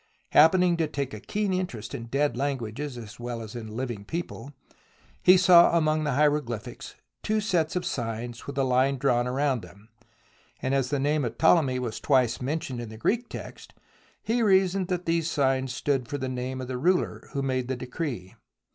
Happening to take a keen interest in dead languages as well as in living people, he saw among the hieroglyphics two sets of signs with a line drawn round them, and as the name of Ptolemy was twice mentioned in the Greek text he reasoned that these signs stood for the name of the ruler who made the decree.